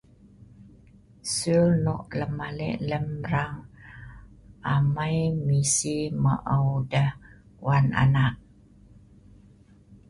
sul nok lem alek lem rang amei misi maeu deh wan anak